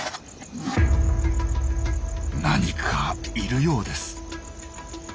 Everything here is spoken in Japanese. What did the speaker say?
何かいるようです。